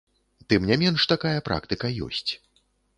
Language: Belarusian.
Тым не менш такая практыка ёсць.